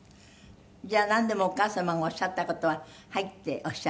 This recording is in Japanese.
じゃあなんでもお母様がおっしゃった事は「はい」っておっしゃる？